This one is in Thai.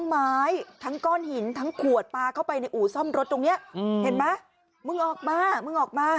เอาตัวเลยเอาตัวเลยออกมาออกมา